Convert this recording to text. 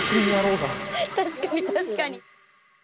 確かに確かに。